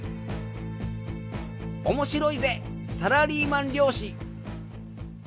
「面白いぜサラリーマン漁師」。